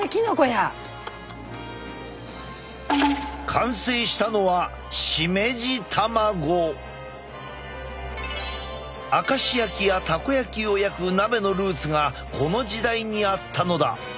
完成したのは明石焼きやたこ焼きを焼く鍋のルーツがこの時代にあったのだ。